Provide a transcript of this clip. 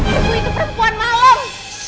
ibu itu perempuan malam